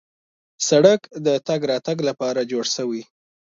سړک د تګ راتګ لپاره جوړ شوی.